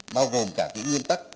bao gồm cả cái nguyên tắc